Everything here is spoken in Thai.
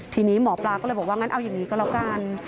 ทีนี้หมอปลาก็เลยบอกว่างั้นเอาอย่างนี้ก็แล้วกัน